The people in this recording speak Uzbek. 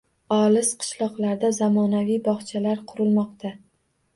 Olis qishloqlarda zamonaviy bog‘chalar qurilmoqda